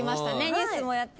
ニュースもやって。